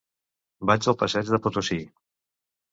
Vaig al passeig de Potosí.